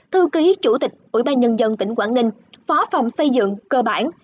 thư ký chủ tịch ủy ban nhân dân tỉnh quảng ninh phó phòng xây dựng cơ bản